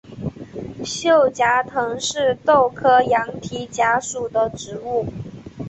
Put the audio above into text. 锈荚藤是豆科羊蹄甲属的植物。